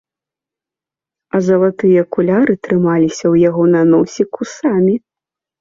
А залатыя акуляры трымаліся ў яго на носіку самі.